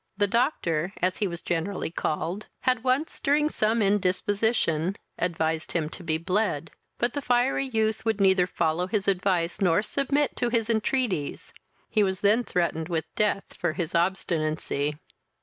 The doctor, as he was generally called, had once, during some indisposition, advised him to be bled; but the fiery youth would neither follow his advice nor submit to his entreaties: he was then threatened with death for his obstinacy.